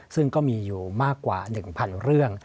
ซึ่งก็มีอยู่มากกว่า๑๐๐เรื่อง